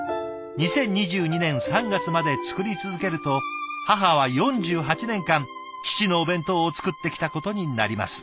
２０２２年３月まで作り続けると母は４８年間父のお弁当を作ってきたことになります」。